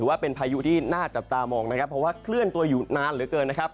ว่าเป็นพายุที่น่าจับตามองนะครับเพราะว่าเคลื่อนตัวอยู่นานเหลือเกินนะครับ